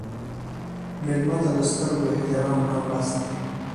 مېلمه ته د سترګو احترام هم بس دی.